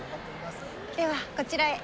ではこちらへ。